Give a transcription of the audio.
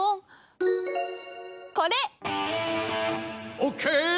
オッケー！